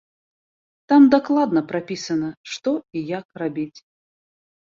Там дакладна прапісана, што і як рабіць.